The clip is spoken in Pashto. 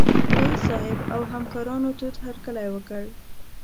رييس صاحب او همکارانو تود هرکلی وکړ.